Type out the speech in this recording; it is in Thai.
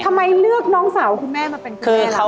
ทำไมเลือกน้องสาวคุณแม่มาเป็นคุณแม่เรา